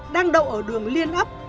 đang đậu ở đường liên ấp